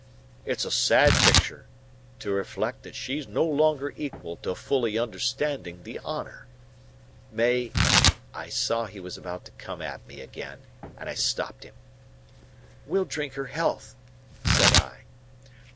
It's a sad picter, to reflect that she's no longer equal to fully understanding the honour. May—" I saw he was about to come at me again, and I stopped him. "We'll drink her health," said I.